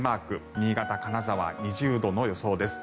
新潟、金沢、２０度の予想です。